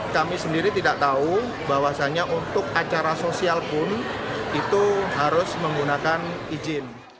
kami sendiri tidak tahu bahwasannya untuk acara sosial pun itu harus menggunakan izin